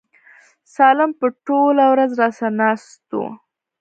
سالم به ټوله ورځ راسره ناست و.